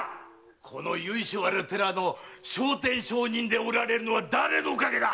この由緒ある寺の聖天上人でいられるのは誰のお陰だ